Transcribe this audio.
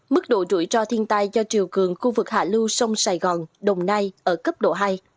mức độ rủi ro thiên tai do triều cường khu vực hạ lưu sông sài gòn đồng nai ở cấp độ hai